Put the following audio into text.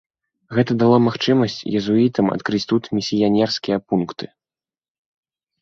Гэта дало магчымасць езуітам адкрыць тут місіянерскія пункты.